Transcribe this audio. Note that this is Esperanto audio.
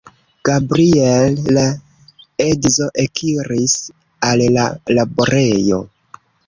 Gabriel, la edzo, ekiris al la laborejo.